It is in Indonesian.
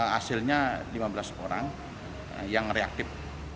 hasilnya lima belas orang yang reaktif